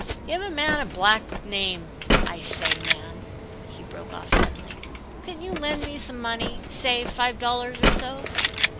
Give a man a black name I say, Nan," he broke off suddenly, "couldn't you lend me some money, say five dollars or so?"